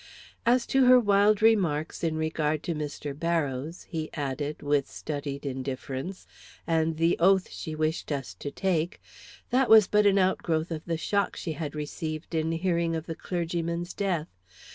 As to her wild remarks in regard to Mr. Barrows," he added, with studied indifference, "and the oath she wished us to take, that was but an outgrowth of the shock she had received in hearing of the clergyman's death.